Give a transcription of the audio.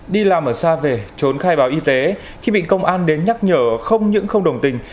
đi làm ở xa về trốn khai báo y tế khi bị công an đến nhắc nhở không những không đồng tình